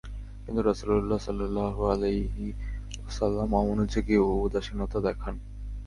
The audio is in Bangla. কিন্তু রাসূল সাল্লাল্লাহু আলাইহি ওয়াসাল্লাম অমনোযোগী ও উদাসীনতা দেখান।